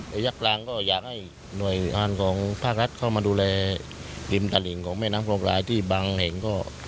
ระยะกลางก็อยากให้หน่วยงานของภาครัฐเข้ามาดูแลริมตลิ่งของแม่น้ำคลองหลายที่บางแห่งก็